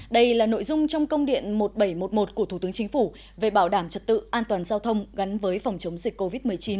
đây là nội dung trong công điện một nghìn bảy trăm một mươi một của thủ tướng chính phủ về bảo đảm trật tự an toàn giao thông gắn với phòng chống dịch covid một mươi chín